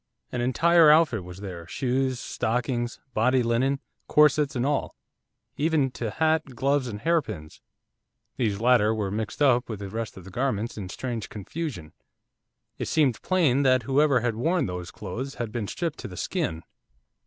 An entire outfit was there, shoes, stockings, body linen, corsets, and all, even to hat, gloves, and hairpins; these latter were mixed up with the rest of the garments in strange confusion. It seemed plain that whoever had worn those clothes had been stripped to the skin.